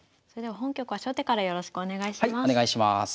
それでは本局は初手からよろしくお願いします。